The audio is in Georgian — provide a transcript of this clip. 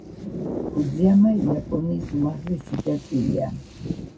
ფუძიამა იაპონიის უმაღლესი წერტილია.